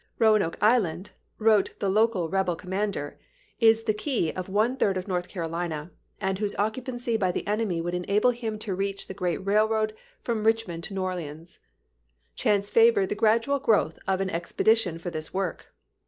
" Roanoke Island," wrote the local rebel commander, " is the key of one third clw")^, of North Carolina, and whose occupancy by the mi!' w/r. enemy would enable him to reach the great railroad p. 682. ' from Richmond to New Orleans," Chance favored the gi adual growth of an expe dition for this work.